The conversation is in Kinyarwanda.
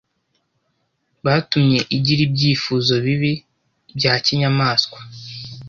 Batumye agira ibyifuzo bibi bya kinyamaswa